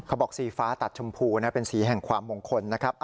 สีฟ้าตัดชมพูเป็นสีแห่งความมงคลนะครับ